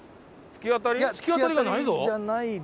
突き当たりがないぞ。